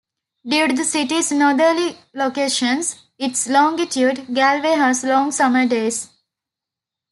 Due to the city's northerly location and its longitude, Galway has long summer days.